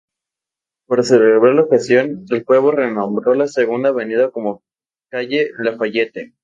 Para celebrar la ocasión, el pueblo renombre la Segunda Avenida como Calle Lafayette.